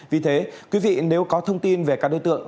vì thế quý vị nếu có thông tin về các đối tượng